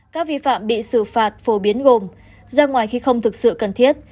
các vi phạm bị xử phạt phổ biến gồm ra ngoài khi không thực sự cần thiết